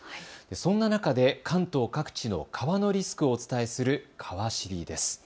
そんな中で関東各地の川のリスクをお伝えするかわ知りです。